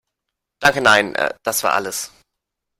Danke nein, das war alles.